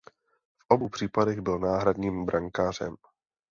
V obou případech byl náhradním brankářem.